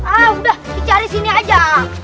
ah udah dicari sini aja